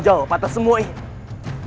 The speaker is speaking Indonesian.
jawab atas semua ini raih lihatlah mata apakah kau